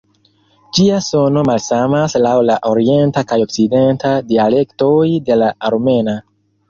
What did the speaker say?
Ĝia sono malsamas laŭ la orienta kaj okcidenta dialektoj de la armena.